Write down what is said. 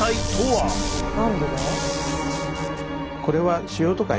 何でだ？